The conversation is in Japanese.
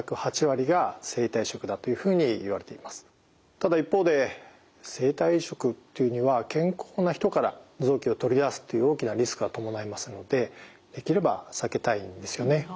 ただ一方で生体移植っていうのは健康な人から臓器を取り出すっていう大きなリスクが伴いますのでできれば避けたいんですよね。